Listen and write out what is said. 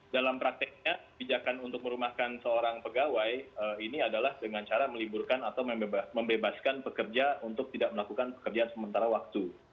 dalam prakteknya bijakan untuk merumahkan seorang pegawai ini adalah dengan cara meliburkan atau membebaskan pekerja untuk tidak melakukan pekerjaan sementara waktu